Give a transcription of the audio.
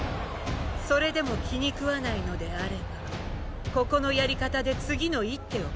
それでも気にくわないのであればここのやり方で次の一手を決めて下さい。